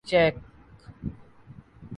check